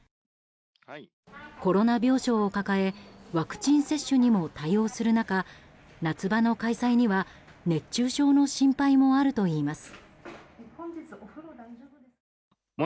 コロナ病床を抱えワクチン接種にも対応する中夏場の開催には熱中症の心配もあるといいます。